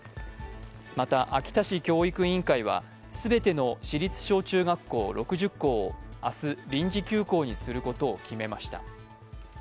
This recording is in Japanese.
また秋田市教育委員会は全ての市立小中学校６０校を明日、臨時休校にすることを決めました。